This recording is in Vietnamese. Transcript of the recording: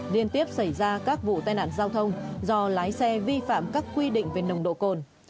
liên tiếp xảy ra các vụ tai nạn giao thông do lái xe vi phạm các quy định về nồng độ cồn